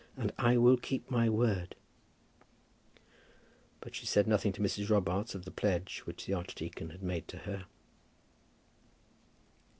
And I will keep my word." But she said nothing to Mrs. Robarts of the pledge which the archdeacon had made to her.